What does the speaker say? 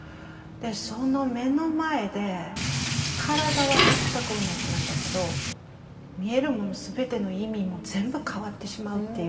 その目の前で体は全く同じなんだけど見えるもの全ての意味も全部変わってしまうっていう。